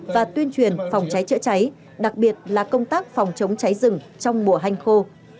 và tuyên truyền phòng cháy chữa cháy đặc biệt là công tác phòng chống cháy rừng trong mùa hanh khô